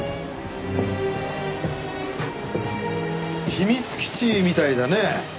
秘密基地みたいだね。